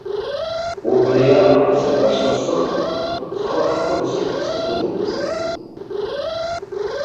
Убриаҟара сеилашны сыҟан, схы ахькыдсҟьара сыздыруамызт.